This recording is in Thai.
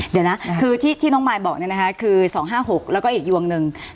เดี๋ยวนะคือที่น้องมายบอกคือ๒๕๖แล้วก็อีกยวงหนึ่ง